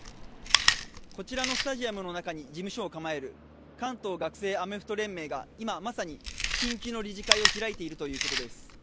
こちらのスタジアムの中に事務所を構える関東学生アメフト連盟が今、まさに緊急の理事会を開いているということです。